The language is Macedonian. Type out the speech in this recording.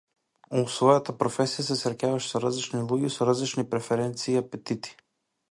Во својата професија се среќаваше со различни луѓе, со различни преференции и апетити.